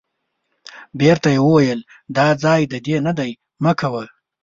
بیرته یې وویل دا ځای د دې نه دی مه کوه.